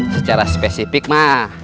secara spesifik mah